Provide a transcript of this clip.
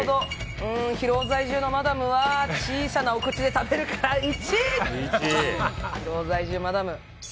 広尾在住のマダムは小さなお口で食べるから１！